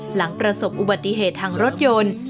หลังประสบอุบัติเหตุทางรถยนต์